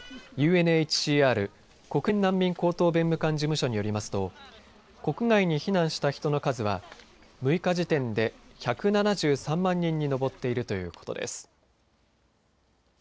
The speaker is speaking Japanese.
ＵＮＨＣＲ・国連難民高等弁務官事務所によりますと国外に避難した人の数は６日時点で１７３万人に上っているということです。